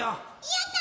やった！